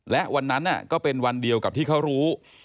และวันนั้นก็เป็นวันเดียวกับที่เขารู้